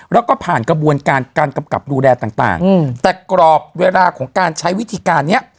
แล้วก็ผ่านกระบวนการการกำกับดูแลต่างแต่กรอบเวลาของการใช้วิธีการเนี้ย